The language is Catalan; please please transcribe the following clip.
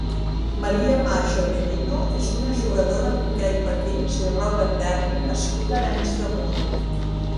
Maria Majo Merino és una jugadora d'hoquei patins i roller derby nascuda a Arenys de Munt.